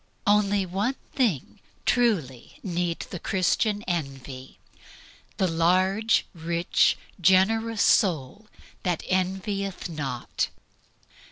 Only one thing truly need the Christian envy the large, rich, generous soul which "envieth not."